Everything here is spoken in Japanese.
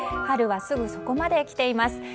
春は、すぐそこまで来ています。